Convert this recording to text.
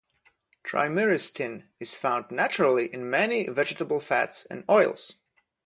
Trimyristin is found naturally in many vegetable fats and oils.